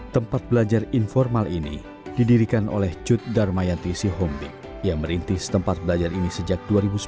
tempat belajar informal ini didirikan oleh cut dharmayanti sihombing yang merintis tempat belajar ini sejak dua ribu sepuluh